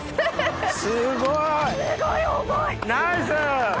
すごい！ナイス！